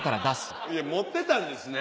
持ってたんですね。